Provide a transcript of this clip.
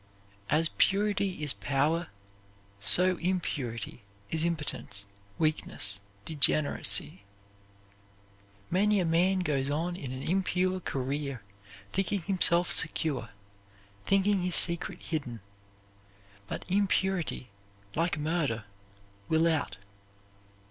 As purity is power so impurity is impotence, weakness, degeneracy. Many a man goes on in an impure career thinking himself secure, thinking his secret hidden. But impurity, like murder, will out.